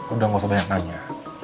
udah gak usah banyak nanya